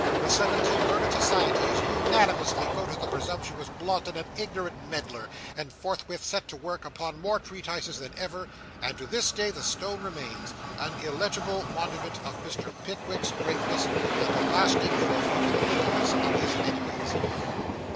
The seventeen learned societies unanimously voted the presumptuous Blotton an ignorant meddler, and forthwith set to work upon more treatises than ever. And to this day the stone remains, an illegible monument of Mr. Pickwick's greatness, and a lasting trophy to the littleness of his enemies. CHAPTER XII.